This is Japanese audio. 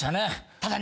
ただね